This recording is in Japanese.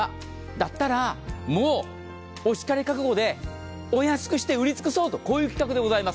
だったら、もうお叱り覚悟でお安くして売り尽くそうという企画でございます。